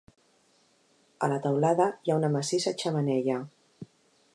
A la teulada hi ha una massissa xemeneia.